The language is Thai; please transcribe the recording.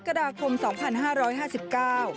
กฎาคมสองพันห้าร้อยห้าสิบเก้า